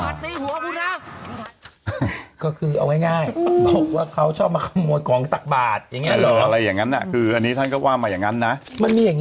อะไรก็คือก็คือเอาง่ายนุกว่าเขาชอบมาขโมยของตักบาทอย่างนี้อะไรอย่างงั้นน่ะคืออันนี้ว่ามาอย่างนั้นนะมันมียัง